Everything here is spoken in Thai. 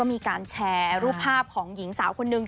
มีการแชร์รูปภาพของหญิงสาวคนนึง